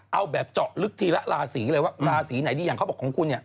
เอาแบบเจาะลึกทีละราศีเลยว่าราศีไหนดีอย่างเขาบอกของคุณเนี่ย